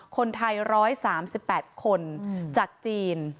คนไทย๑๓๘คนจากจีน